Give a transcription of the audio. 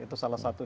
itu salah satu